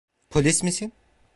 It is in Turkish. Polis misin?